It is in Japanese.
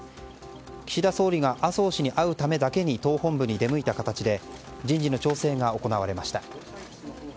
岸田総理が麻生氏に会うためだけに党本部に出向いた形で人事の調整が行われました。